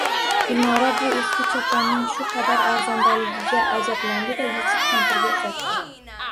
Gulnora bu eski choponning shu qadar arzandaligiga ajablandi-da, yechib kampirga uzatdi.